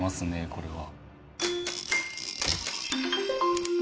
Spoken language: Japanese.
これは。